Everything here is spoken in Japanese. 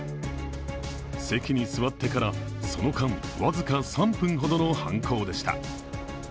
席に座ってから、その間、僅か３分ほどの犯行でした。